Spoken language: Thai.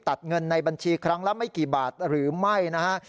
ตัดเงินในบัญชีครั้งละไม่กี่บาทหรือไม่นะฮะ